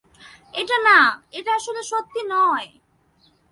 এটা না-- এটা আসলে সত্যি নয়।